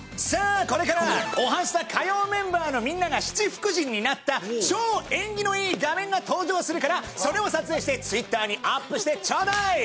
さあこれから『おはスタ』火曜メンバーのみんなが七福神になった超縁起のいい画面が登場するからそれを撮影してＴｗｉｔｔｅｒにアップしてちょうだい！